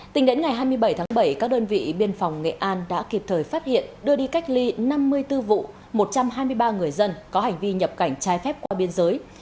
tính đến ngày hai mươi bảy tháng bảy các đơn vị biên phòng nghệ an đã kịp thời phát hiện đưa đi cách ly năm mươi bốn vụ một trăm hai mươi ba người dân có hành vi nhập cảnh trái phép qua biên giới